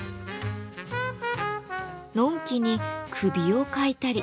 のんきに首をかいたり。